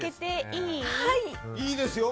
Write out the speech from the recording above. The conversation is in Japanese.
いいですよ！